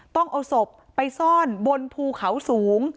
ต้องเอาศพไปซ่อนบนภูเขาสูง